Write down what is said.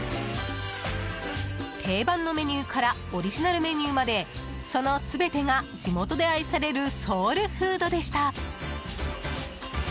定番のメニューからオリジナルメニューまでその全てが地元で愛されるソウルフードでした。